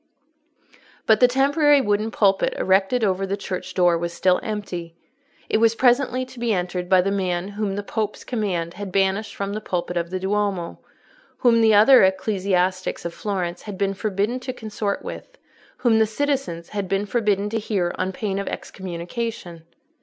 But the temporary wooden pulpit erected over the church door was still empty. It was presently to be entered by the man whom the Pope's command had banished from the pulpit of the Duomo, whom the other ecclesiastics of Florence had been forbidden to consort with, whom the citizens had been forbidden to hear on pain of excommunication.